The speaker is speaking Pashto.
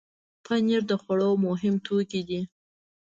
پنېر د خوړو مهم توکی دی.